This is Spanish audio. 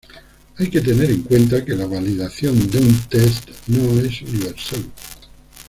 Hay que tener en cuenta que la validación de un test no es universal.